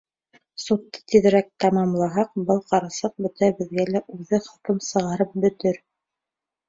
Судты тиҙерәк тамамламаһаҡ, был ҡарсыҡ бөтәбеҙгә лә үҙе хөкөм сығарып бөтөр!